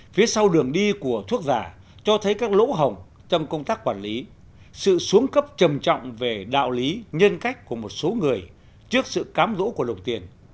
phía sau đường đi của thuốc giả cho thấy các lỗ hồng trong công tác quản lý sự xuống cấp trầm trọng về đạo lý nhân cách của một số người trước sự cám rỗ của đồng tiền